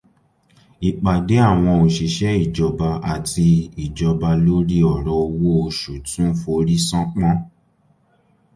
Ìpàdé àwọn òṣìṣẹ́ ìjọba àti ìjọba lórí ọ̀rọ̀ owó òṣù tún forí sánpọ́n